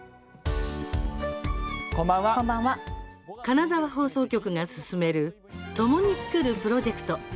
金沢放送局が進める“共に創る”プロジェクト。